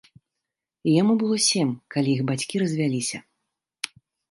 Яму было сем, калі іх бацькі развяліся.